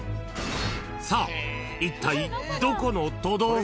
［さあいったいどこの都道府県？］